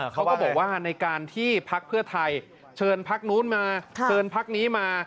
เขาก็บอกว่าในการที่พักเพื่อไทยเชิญพักนู้นมาเชิญพักนี้มา